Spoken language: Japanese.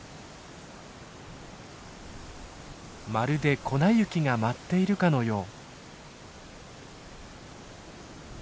まるで粉雪が舞っているかのよう。